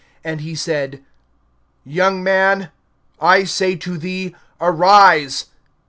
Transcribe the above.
And he said: Young man, I say to thee, arise.